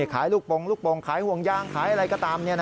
ขายลูกปงขายห่วงยางขายอะไรก็ตาม